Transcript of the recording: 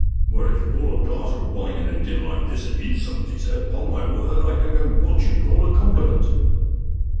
"Well, if you call a glass of wine and a dinner like this an insult," he said, "'pon my word I don't know what you'd call a compliment."